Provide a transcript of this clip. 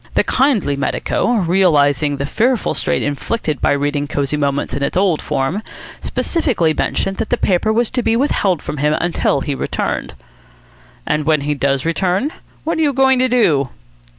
The kindly medico, realising the fearful strain inflicted by reading Cosy Moments in its old form, specifically mentioned that the paper was to be withheld from him until he returned." "And when he does return, what are you going to do?"